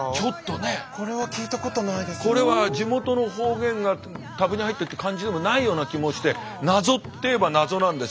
これは地元の方言が多分に入っているという感じでもないような気もして謎って言えば謎なんです。